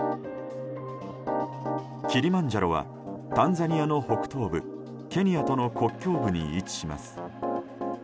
キリマンジャロはタンザニアの北東部ケニアとの国境部に位置します。